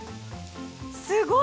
すごい！